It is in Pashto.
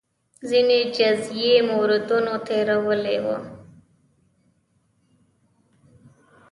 ځینې جزئي موردونو تېروتلي وو.